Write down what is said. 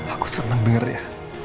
aku seneng denger ya